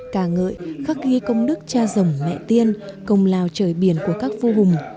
cả ngợi khắc ghi công đức cha dòng mẹ tiên công lào trời biển của các vua hùng